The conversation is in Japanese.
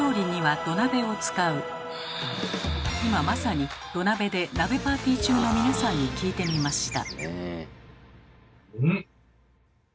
今まさに土鍋で鍋パーティー中の皆さんに聞いてみました。